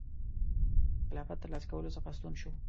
د خلافت ترلاسه کولو څخه ستون شو.